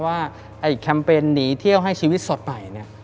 ว่าแคมเปญหนีเที่ยวให้ชีวิตสดใหม่เนี่ย